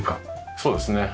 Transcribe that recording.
そうですね。